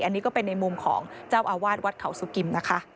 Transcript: อันนี้ก็เป็นในมุมของเจ้าอาวาสวัดเขาสุกิมนะคะ